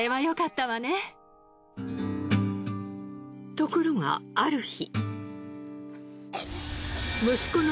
ところがある日。